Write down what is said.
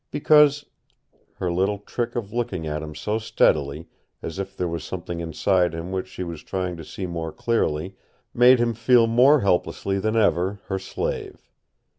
Because " Her little trick of looking at him so steadily, as if there was something inside him which she was trying to see more clearly, made him feel more helplessly than ever her slave.